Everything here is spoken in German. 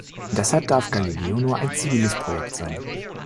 Deshalb darf Galileo nur ein ziviles Projekt sein.